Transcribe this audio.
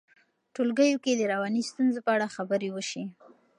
ټولګیو کې د رواني ستونزو په اړه خبرې وشي.